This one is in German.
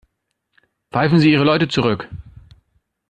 Pfeifen Sie Ihre Leute zurück.